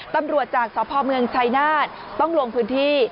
ตำรวจจากสพเมืองชัยนาฏต้องลงพื้นที่